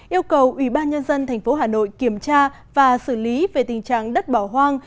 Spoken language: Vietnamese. yêu cầu ủy ban nhân dân tp hà nội kiểm tra và xử lý về tình trạng đất bỏ hoang